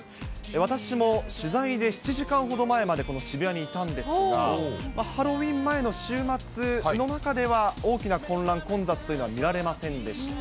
私も取材で７時間ほど前まで、この渋谷にいたんですが、ハロウィーン前の週末の中では、大きな混乱、混雑というのは見られませんでした。